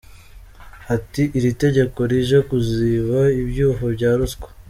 Ati “Iri tegeko rije kuziba ibyuho bya ruswa.